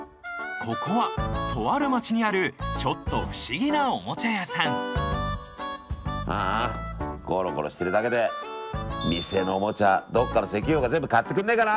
ここはとある町にあるちょっと不思議なおもちゃ屋さんああゴロゴロしてるだけで店のおもちゃどっかの石油王が全部買ってくんねえかな。